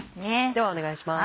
ではお願いします。